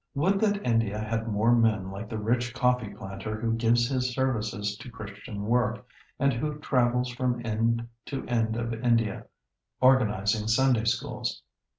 ] Would that India had more men like the rich coffee planter who gives his services to Christian work, and who travels from end to end of India organizing Sunday Schools.